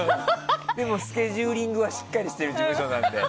でもスケジューリングはちゃんとしっかりしてる事務所なので。